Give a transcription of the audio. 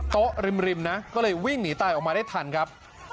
ริมนะก็เลยวิ่งหนีตายออกมาได้ทันครับ